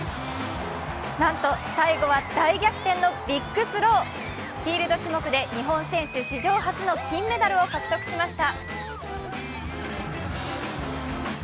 なんと最後は大逆転のビッグスローフィールド種目で日本市場初の金メダルを獲得しました。